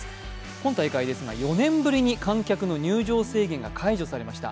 今大会、４年ぶりに観客の入場制限が解除されました。